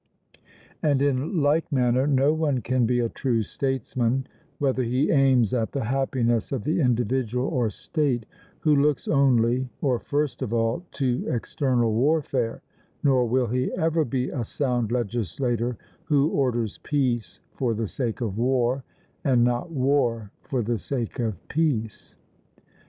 And in like manner no one can be a true statesman, whether he aims at the happiness of the individual or state, who looks only, or first of all, to external warfare; nor will he ever be a sound legislator who orders peace for the sake of war, and not war for the sake of peace.